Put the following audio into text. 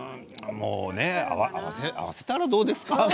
もうね合わせたらどうですか？